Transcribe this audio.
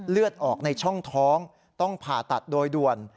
เลือดออกในช่องท้องต้องผ่าตัดโดยด่วน